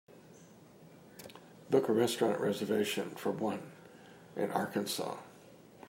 Book a restaurant reservation for one in Arkansas